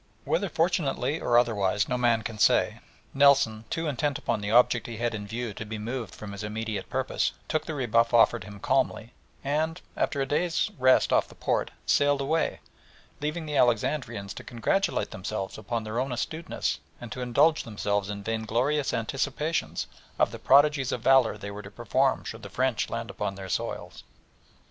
Whether fortunately or otherwise no man can say, Nelson, too intent upon the object he had in view to be moved from his immediate purpose, took the rebuff offered him calmly, and, after a day's rest off the port, sailed away, leaving the Alexandrians to congratulate themselves upon their own astuteness and to indulge themselves in vain glorious anticipations of the prodigies of valour they were to perform should the French land upon their shores.